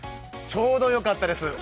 ちょうどよかったです。